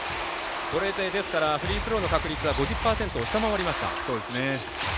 フリースローの確率は５０％を下回りました。